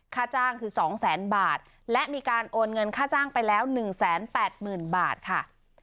ค่าจ้างคือสองแสนบาทและมีการโอนเงินค่าจ้างไปแล้วหนึ่งแสนแปดหมื่นบาทค่ะ